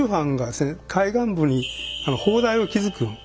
海岸部に砲台を築くんですね。